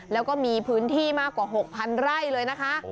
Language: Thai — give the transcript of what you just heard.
แล้วก็มีพื้นที่มากกว่า๖๐๐ไร่เลยนะคะ